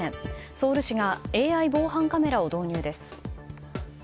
ソウル市がＡＩ防犯カメラを導入です。